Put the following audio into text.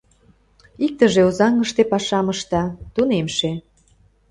Иктыже Озаҥыште пашам ышта, тунемше.